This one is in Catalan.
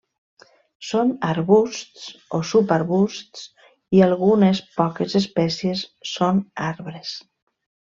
Són arbusts o subarbusts i algunes poques espècies són arbres.